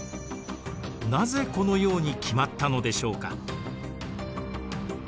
なぜこのように決まったのでしょうか？